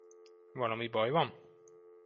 Valami baj van?